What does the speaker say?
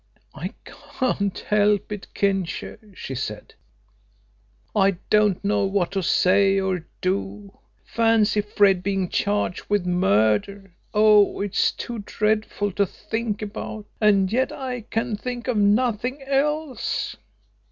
"I can't help it, Kincher," she said. "I don't know what to say or do. Fancy Fred being charged with murder! Oh, it's too dreadful to think about. And yet I can think of nothing else."